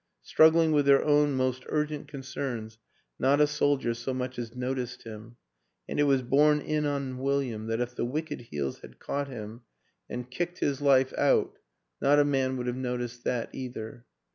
Struggling with their own most urgent concerns, not a soldier so much as noticed him; and it was borne in on William that if the wicked heels had caught him and kicked his life 136 WILLIAM AN ENGLISHMAN out, not a man would have noticed that either.